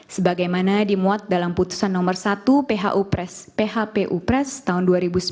sebagaimana dimuat dalam putusan nomor satu phpu pres tahun dua ribu sembilan belas